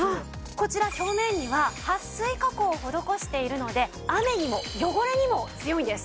こちら表面にははっ水加工を施しているので雨にも汚れにも強いんです。